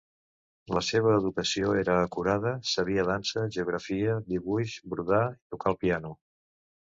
La seva educació era acurada; sabia dansa, geografia, dibuix, brodar i tocar el piano.